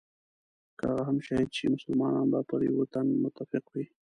که هغه هم شهید شي مسلمانان به پر یوه تن متفق وي.